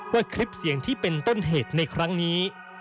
ว่าคลิปเสียงที่เป็นต้นเหตุในครั้งนี้